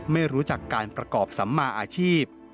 ไม่รู้จักการประกอบสัมมาอาชีพ